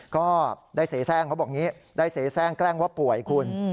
ก็ได้เสียแทร่งเขาบอกอย่างนี้ได้เสียแทร่งแกล้งว่าป่วยคุณ